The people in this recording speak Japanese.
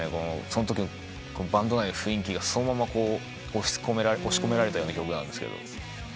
そんときのバンド内の雰囲気がそのまま押し込められたような曲なんですけど。